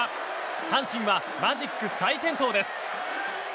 阪神はマジック再点灯です。